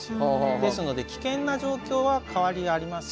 ですので危険な状況は変わりありません。